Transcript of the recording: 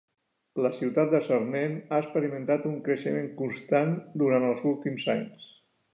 La ciutat de Sarnen ha experimentat un creixement constant durant els últims anys.